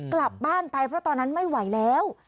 กลับบ้านไปเพราะตอนนั้นไม่ไหวแล้ว